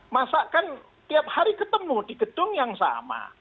masa kan tiap hari ketemu di gedung yang sama